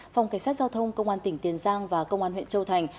phòng cảnh sát giao thông công an tỉnh tiền giang và công an huyện châu thành